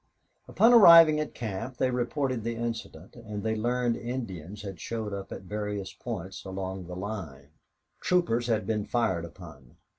Upon arriving at camp they reported the incident, and they learned Indians had showed up at various points along the line. Troopers had been fired upon.